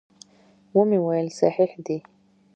ومې ویل صحیح دي.